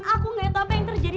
aku gak tahu apa yang terjadi